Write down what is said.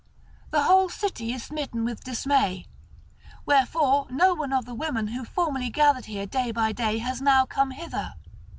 The whole city is smitten with dismay; wherefore no one of the women who formerly gathered here day by day has now come hither.